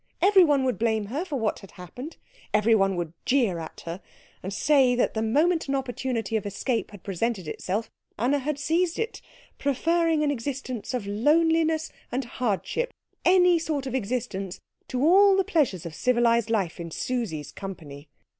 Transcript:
Everyone would blame her for what had happened, everyone would jeer at her, and say that the moment an opportunity of escape had presented itself Anna had seized it, preferring an existence of loneliness and hardship any sort of existence to all the pleasures of civilised life in Susie's company.